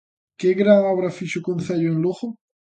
¿Que gran obra fixo o Concello en Lugo?